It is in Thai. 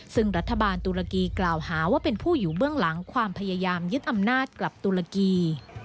ซึ่งรัฐบาลตุรกีกล่าวหาว่าเป็นผู้อยู่เบื้องหลังความพยายามยึดอำนาจกลับตุรกี